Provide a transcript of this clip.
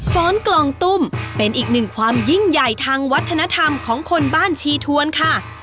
้อนกลองตุ้มเป็นอีกหนึ่งความยิ่งใหญ่ทางวัฒนธรรมของคนบ้านชีทวนค่ะ